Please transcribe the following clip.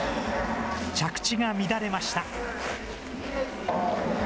着地が乱れました。